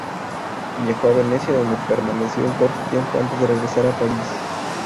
Viajó a Venecia, donde permaneció un corto tiempo antes de regresar a París.